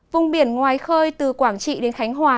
vùng biển ngoài khơi từ quảng trị đến khánh hòa